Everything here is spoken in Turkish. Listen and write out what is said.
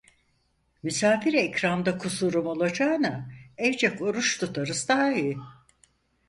Misafire ikramda kusurum olacağına evcek oruç tutarız daha iyi!